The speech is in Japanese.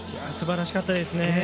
すばらしかったですね。